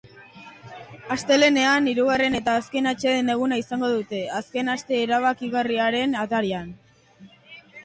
Astelehenean hirugarren eta azken atseden-eguna izango dute, azken aste erabakigarriaren atarian.